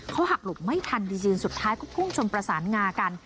เขาหักหลบไม่ทันจริงสุดท้ายก็พุ่งชนประสานงากัน